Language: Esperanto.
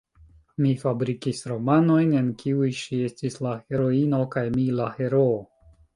Mi fabrikis romanojn, en kiuj ŝi estis la heroino, kaj mi la heroo.